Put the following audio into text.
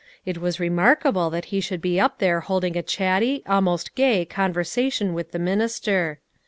It was remarkable that he should be up here holding a chatty, almost gay, conver sation with the minister.